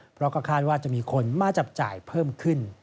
เพราะก็คาดว่าจะมีคนมาจับจ่ายเพิ่มขึ้น